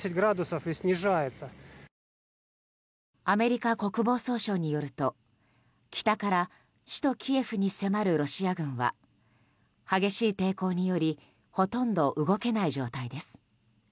アメリカ国防総省によると北から首都キエフに迫るロシア軍は激しい抵抗によりほとんど動けない状態です。